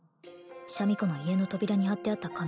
シャミ子の家の扉に貼ってあった紙